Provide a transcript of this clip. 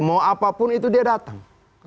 mau apapun itu dia datang